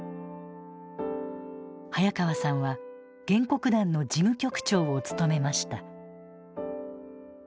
早川さんは原告団の事務局長を務めました。